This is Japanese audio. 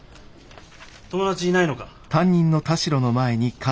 友達いないのか？